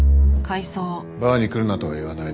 バーに来るなとは言わない。